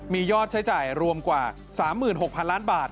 มียอดใช้จ่ายรวมกว่า๓๖๐๐๐ล้านบาท